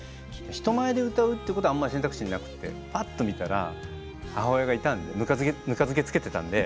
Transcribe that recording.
人前で歌うっていうことはあんまり選択肢になくてぱっと見たら母親がいたんでぬか漬け漬けてたんで。